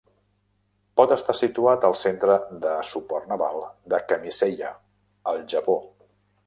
Pot estar situat al Centre de Suport Naval de Kamiseya, el Japó.